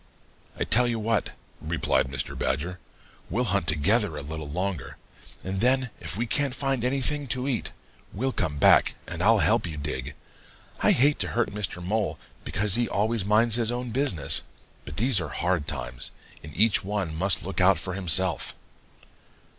"'I tell you what,' replied Mr. Badger. 'We'll hunt together a little longer, and then if we can't find anything to eat, we'll come back, and I'll help you dig, I hate to hurt Mr. Mole, because he always minds his own business, but these are hard times, and each one must look out for himself.'